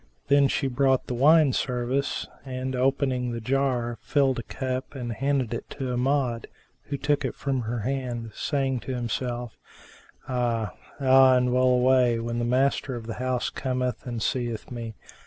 Then she brought the wine service and opening the jar, filled a cup and handed it to Amjad, who took it from her hand saying to him self, ' Ah, ah! and well away, when the master of the house cometh and seeth me!"